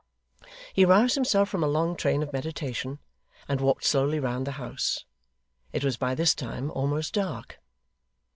He roused himself from a long train of meditation, and walked slowly round the house. It was by this time almost dark.